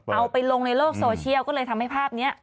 เอาไปลงในโลกโซเชียลก็เลยทำให้ภาพนี้